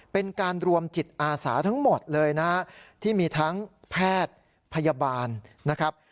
เป็นการรวมจิตอาสาทั้งหมดเลยนะฮะที่มีทั้งแพทย์พยาบาลนะครับ